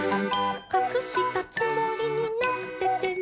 「かくしたつもりになってても」